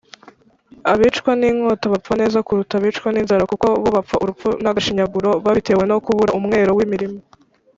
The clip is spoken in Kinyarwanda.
Abicwa n’inkota bapfa neza kuruta abicwa n’inzara, Kuko bo bapfa urupfu n’agashinyaguro, Babitewe no kubura umwero w’imirima.